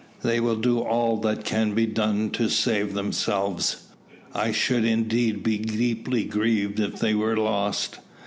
They will do all that can be done to save themselves. I should indeed be deeply grieved if they were lost."